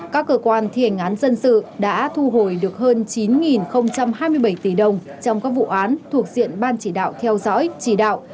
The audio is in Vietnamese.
các cơ quan thi hành án dân sự đã thu hồi được hơn chín hai mươi bảy tỷ đồng trong các vụ án thuộc diện ban chỉ đạo theo dõi chỉ đạo